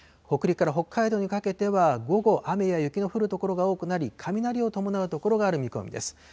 北陸から北海道にかけては午後、雨や雪の降る所が多くなり、雷を伴う所がある見込みです。